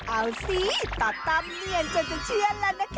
เอาสิตาตั้มเนียนจนจะเชื่อแล้วนะคะ